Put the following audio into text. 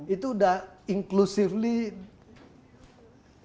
itu udah inklusifly seperti ini